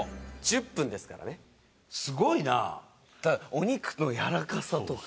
お肉のやわらかさとか。